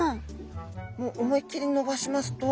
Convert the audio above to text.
もう思いっ切り伸ばしますと。